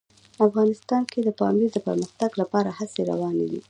افغانستان کې د پامیر د پرمختګ لپاره هڅې روانې دي.